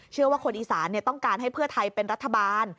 เชื่อว่าคนอีสานเนี่ยต้องการให้เพื่อไทยเป็นรัฐบาล